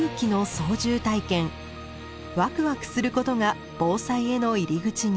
ワクワクすることが防災への入り口に。